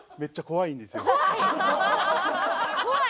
「怖い」？